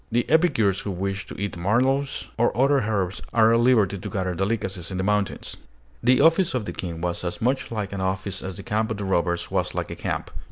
The epicures who wish to eat mallows or other herbs are at liberty to gather delicacies in the mountains. The office of the King was as much like an office as the camp of the robbers was like a camp.